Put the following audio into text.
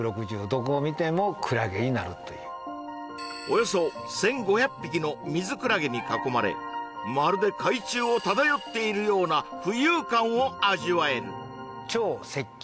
どこを見てもクラゲになるというおよそ１５００匹のミズクラゲに囲まれまるで海中を漂っているような浮遊感を味わえる超接近！